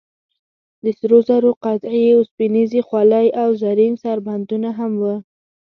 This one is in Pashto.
د سرو زرو قطعې، اوسپنیزې خولۍ او زرین سربندونه هم و.